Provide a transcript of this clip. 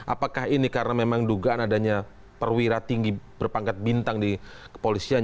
apakah ini karena memang dugaan adanya perwira tinggi berpangkat bintang di kepolisian